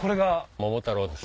桃太郎です。